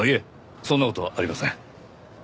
そんな事はありません。